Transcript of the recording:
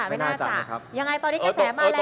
ยังไงตอนนี้กระแสมาแล้ว